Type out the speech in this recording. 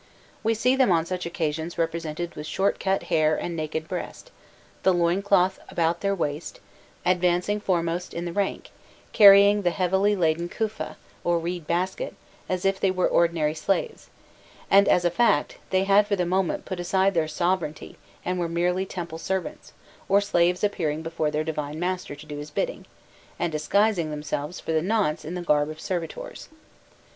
We see them on such occasions represented with short cut hair and naked breast, the loin cloth about their waist, advancing foremost in the rank, carrying the heavily laden "kufa," or reed basket, as if they were ordinary slaves; and, as a fact, they had for the moment put aside their sovereignty and were merely temple servants, or slaves appearing before their divine master to do his bidding, and disguising themselves for the nonce in the garb of servitors.